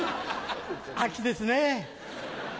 秋ですね。